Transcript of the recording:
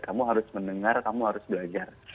kamu harus mendengar kamu harus belajar